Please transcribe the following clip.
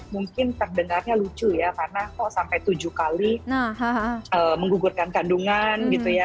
mungkin terdengarnya lucu ya karena kok sampai tujuh kali menggugurkan kandungan gitu ya